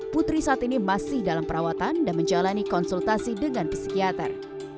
putri saat ini masih dalam perawatan dan menjalani konsultasi dengan psikiater